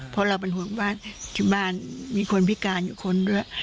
เพราะเราเป็นห่วงบ้านที่บ้านมีคนพิการอยู่คนด้วย